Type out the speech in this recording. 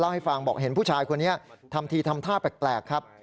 ให้ฟังบอกเห็นผู้ชายคนนี้ทำทีทำท่าแปลกครับ